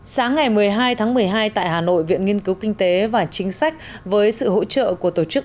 sáng ngày một mươi hai tháng một mươi hai tại hà nội viện nghiên cứu kinh tế và chính sách với sự hỗ trợ của tổ chức